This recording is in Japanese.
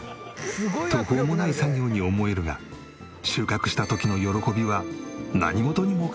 途方もない作業に思えるが収穫した時の喜びは何事にも代えがたいんだそう。